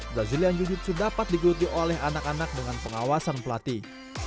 brazilian jiu jitsu dapat digeluti oleh anak anak dengan pengawasan pelatih